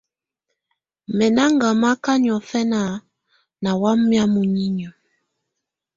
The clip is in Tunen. Nɛ̀ na ngamaka niɔfɛna nà wamɛ̀á muninƴǝ̀.